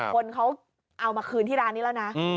คนเขาเอามาคืนที่ร้านนี้แล้วนะ